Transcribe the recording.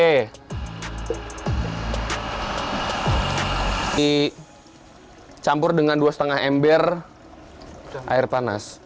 ini campur dengan dua lima ember air panas